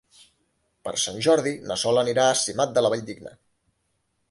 Per Sant Jordi na Sol anirà a Simat de la Valldigna.